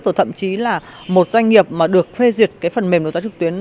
rồi thậm chí là một doanh nghiệp mà được phê duyệt cái phần mềm đấu giá trực tuyến